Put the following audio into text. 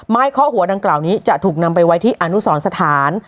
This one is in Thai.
เคาะหัวดังกล่าวนี้จะถูกนำไปไว้ที่อนุสรสถาน